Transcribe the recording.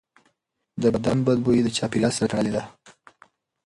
د بدن بوی د چاپېریال سره تړلی دی.